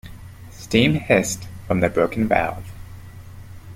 Steam hissed from the broken valve.